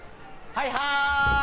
はいはーい！